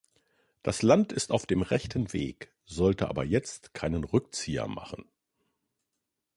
Das Land ist auf dem rechten Weg, sollte aber jetzt keinen Rückzieher machen.